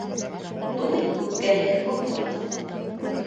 Туй үпкәһеҙ булмаҫ.